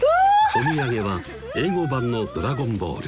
お土産は英語版の「ドラゴンボール」